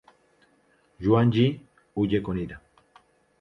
Yuan Yi, huye con ira.